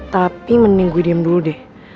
tapi mending gue diem dulu deh